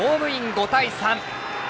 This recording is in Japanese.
５対３。